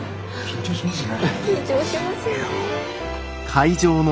緊張しますよね。